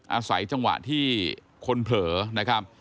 อาศัยจังหวะที่คนเผลอนะครับ